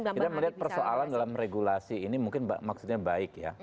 kita melihat persoalan dalam regulasi ini mungkin maksudnya baik ya